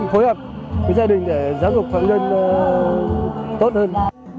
phối hợp với gia đình để giám đục phạm nhân tốt hơn